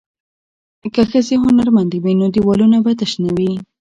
که ښځې هنرمندې وي نو دیوالونه به تش نه وي.